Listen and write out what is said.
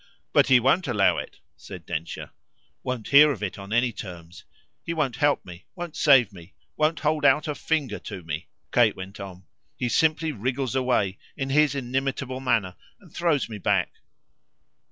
"But he won't allow it," said Densher. "Won't hear of it on any terms. He won't help me, won't save me, won't hold out a finger to me," Kate went on. "He simply wriggles away, in his inimitable manner, and throws me back."